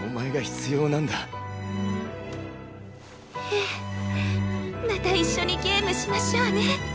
ええまた一緒にゲームしましょうね。